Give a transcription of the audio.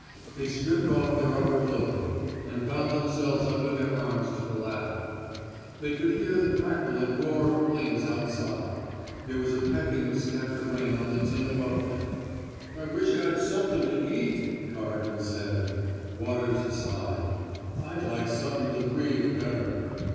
They stripped off their upper clothing, and bound themselves under their arms to the ladder. They could hear the crackle and roar of flames outside. There was a pecking of scattered rain on the tin above them. I wish I'd somethin' t'eat,'' Corrigan said. Waters sighed. '* I'd like somethin' to breathe better."